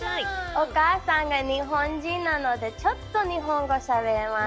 お母さんが日本人なのでちょっと日本語がしゃべれます。